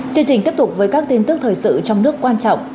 chương trình tiếp tục với các tin tức thời sự trong nước quan trọng